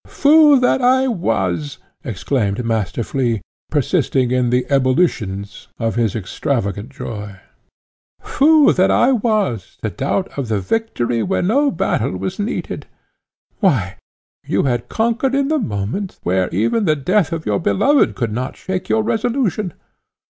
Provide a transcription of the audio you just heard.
"Fool that I was!" exclaimed Master Flea, persisting in the ebullitions of his extravagant joy "Fool that I was to doubt of the victory where no battle was needed. Why, you had conquered in the moment, when even the death of your beloved could not shake your resolution.